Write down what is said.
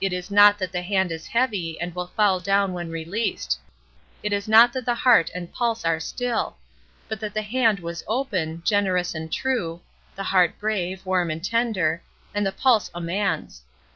It is not that the hand is heavy and will fall down when released; it is not that the heart and pulse are still; but that the hand was open, generous and true, the heart brave, warm and tender, and the pulse a man's.